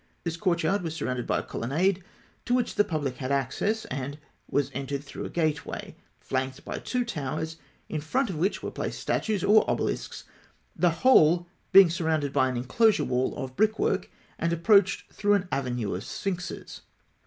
This courtyard was surrounded by a colonnade to which the public had access, and was entered through a gateway flanked by two towers, in front of which were placed statues, or obelisks; the whole being surrounded by an enclosure wall of brickwork, and approached through an avenue of sphinxes.